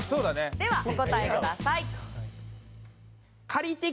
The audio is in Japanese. ではお答えください。